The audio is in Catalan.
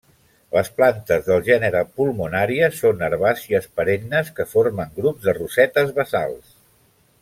Les plantes del gènere Pulmonària són herbàcies perennes que formen grups de rosetes basals.